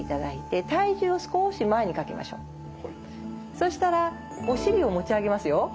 そしたらお尻を持ち上げますよ。